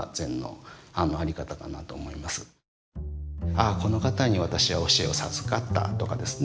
「ああこの方に私は教えを授かった」とかですね